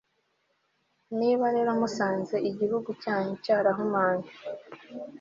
niba rero musanze igihugu cyanyu cyarahumanye